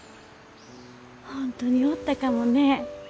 本当におったかもね。